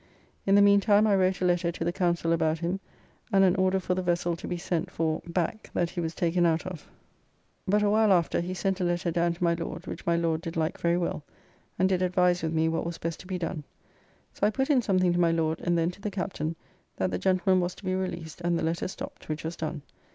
In the meantime I wrote a letter to the Council about him, and an order for the vessel to be sent for back that he was taken out of. But a while after, he sent a letter down to my Lord, which my Lord did like very well, and did advise with me what was best to be done. So I put in something to my Lord and then to the Captain that the gentleman was to be released and the letter stopped, which was done.